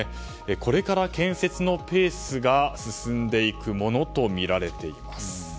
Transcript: これから建設のペースが進んでいくものとみられています。